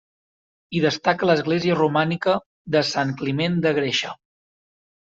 Hi destaca l'església romànica de Sant Climent de Gréixer.